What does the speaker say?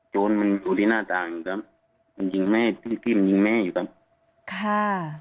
จนมันอยู่ที่หน้าต่างกันมันจ้าเก็บยิงแม่อยู่กัน